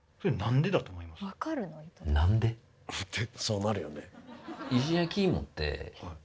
そうなるよね。